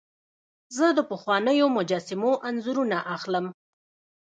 زه د پخوانیو مجسمو انځورونه اخلم.